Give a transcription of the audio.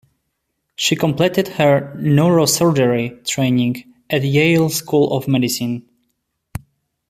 She completed her neurosurgery training at Yale School of Medicine.